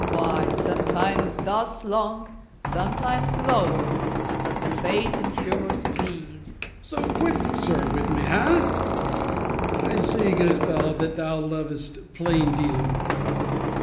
why, sometimes thus long, sometimes lower, as the Fates and humors please. MORE. So quick, sir, with me, ha? I see, good fellow, Thou lovest plain dealing.